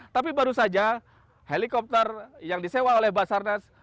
tapi baru saja helikopter yang disewa oleh basarnas